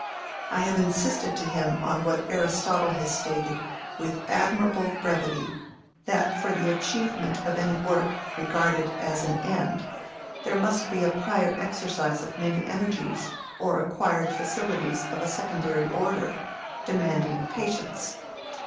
I have insisted to him on what Aristotle has stated with admirable brevity, that for the achievement of any work regarded as an end there must be a prior exercise of many energies or acquired facilities of a secondary order, demanding patience.